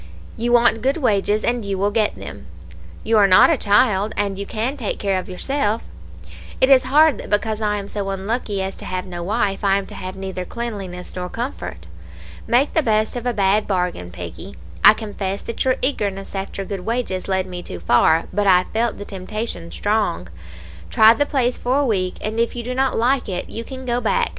You want good wages, and you will get them; you are not a child, and you can take care of yourself. It is hard that because I am so unlucky as to have no wife, I am to have neither cleanliness nor comfort. Make the best of a bad bargain, Peggy; I confess that your eagerness after good wages led me too far, but I felt the temptation strong. Try the place for a week, and if you do not like it, you can go back.